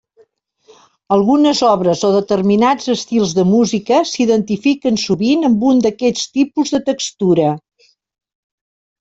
Algunes obres o determinats estils de música s'identifiquen sovint amb un d'aquests tipus de textura.